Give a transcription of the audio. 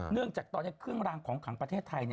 เบื้องจากตอนนี้เครื่องรางของขังประเทศไทยนี่